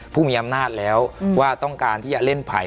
ผู้มีอำนาจแล้วว่าต้องการที่จะเล่นไผ่